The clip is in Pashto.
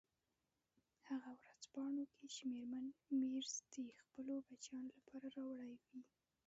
هغه ورځپاڼو کې چې میرمن مېرز د خپلو بچیانو لپاره راوړي وې.